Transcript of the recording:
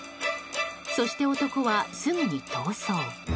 そして、男はすぐに逃走。